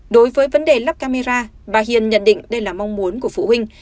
đối với vấn đề lắp camera bà hiền nhận định đây là mong muốn của phụ huynh